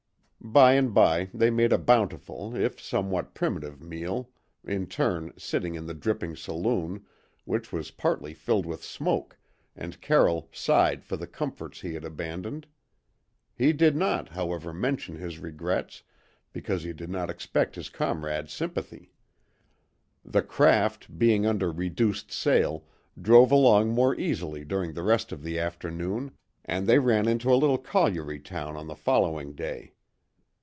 By and by they made a bountiful if somewhat primitive meal, in turn, sitting in the dripping saloon, which was partly filled with smoke, and Carroll sighed for the comforts he had abandoned. He did not, however, mention his regrets, because he did not expect his comrade's sympathy. The craft, being under reduced sail, drove along more easily during the rest of the afternoon, and they ran into a little colliery town on the following day.